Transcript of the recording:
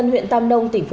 huyện tam đông tp hcm